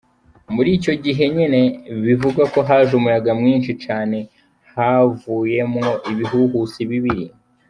Muri ico gihe nyene, bivugwa ko haje umuyaga mwinshi cane havuyemwo ibihuhusi bibiri.